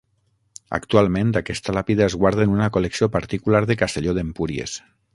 Actualment aquesta làpida es guarda en una col·lecció particular de Castelló d'Empúries.